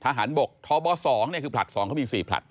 ทหารบกทบ๒คือผลัด๒เขามี๔ผลัด